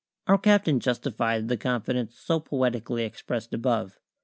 Our captain justified the confidence so poetically expressed above.